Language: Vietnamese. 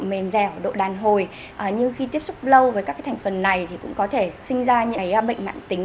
mềm dẻo độ đàn hồi như khi tiếp xúc lâu với các thành phần này thì cũng có thể sinh ra những bệnh